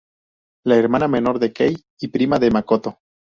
La hermana menor de Kei y prima de Makoto.